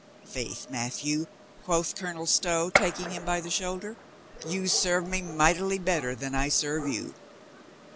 "Faith, Matthieu," quoth Colonel Stow, taking him by the shoulder, "you serve me mightily better than I serve you."